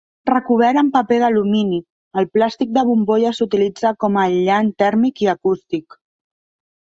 Recobert amb paper d'alumini, el plàstic de bombolles s'utilitza com a aïllant tèrmic i acústic.